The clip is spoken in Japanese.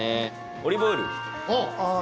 オリーブオイルああ